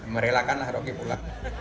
merelakanlah roke pula